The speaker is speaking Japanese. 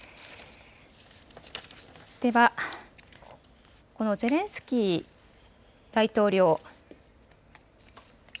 では、このゼレンスキー大統領。